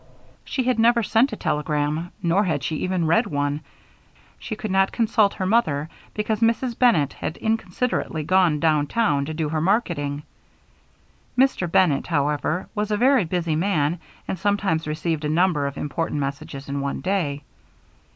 She had never sent a telegram, nor had she even read one. She could not consult her mother because Mrs. Bennett had inconsiderately gone down town to do her marketing. Dr. Bennett, however, was a very busy man and sometimes received a number of important messages in one day.